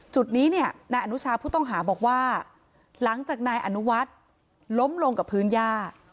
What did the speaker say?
จุดนี้เนี่ยนายอนุชาผู้ต้องหาบอกว่าหลังจากนายอนุวัฒน์ล้มลงกับพื้นย่า